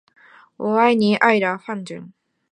我爱你爱的发疯